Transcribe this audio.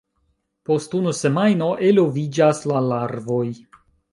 Post unu semajno eloviĝas la larvoj.